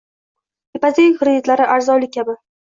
Ipoteka kreditlari "arzonlik" kabi